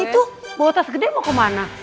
itu bawa tas gede mau kemana